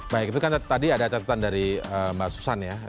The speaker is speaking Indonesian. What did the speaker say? baik itu kan tadi ada catatan dari mbak susan ya